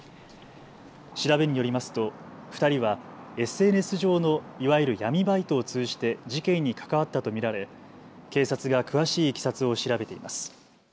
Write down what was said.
調べによりますと２人はＳＮＳ上のいわゆる闇バイトを通じて事件に関わったと見られ警察が詳しいいきさつを調べています。